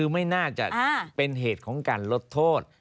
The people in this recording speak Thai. ไม่น่าจะเป็นเหตุของการลดโทษ